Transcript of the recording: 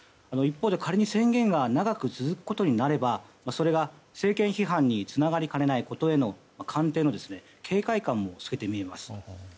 一方で、仮に宣言が長く続くことになればそれが政権批判につながりかねないことへの官邸の警戒感も透けて見えます。